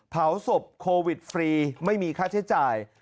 เผาศพโควิดฟรีไม่มีค่าใช้จ่าย